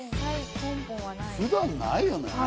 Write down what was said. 普段ないよね。